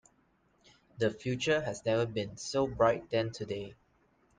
The future has never been so bright than today.